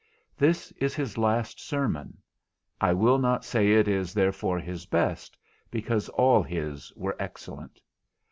This is his last sermon; I will not say it is therefore his best, because all his were excellent.